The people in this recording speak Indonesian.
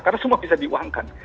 karena semua bisa diuangkan